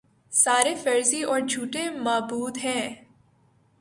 سارے فرضی اور جھوٹے معبود ہیں